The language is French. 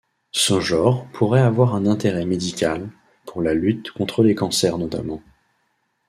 Ce genre pourrait avoir un intérêt médical, pour la lutte contre les cancers notamment.